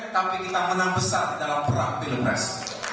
tapi kita menang besar dalam perang di lemres